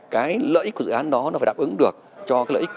cái lợi ích của dự án đó nó phải đáp ứng được cho cái lợi ích